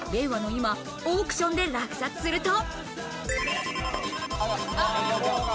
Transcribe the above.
令和の今、オークションで落札すると。